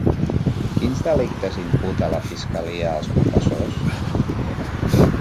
Quins delictes imputa la fiscalia als professors?